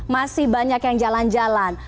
masih banyak yang jalan jalan